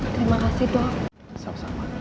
terima kasih dong